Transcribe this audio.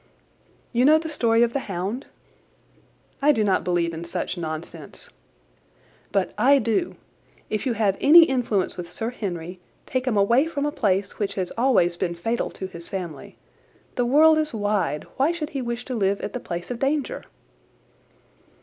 "You know the story of the hound?" "I do not believe in such nonsense." "But I do. If you have any influence with Sir Henry, take him away from a place which has always been fatal to his family. The world is wide. Why should he wish to live at the place of danger?"